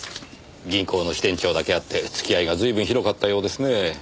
銀行の支店長だけあって付き合いがずいぶん広かったようですねえ。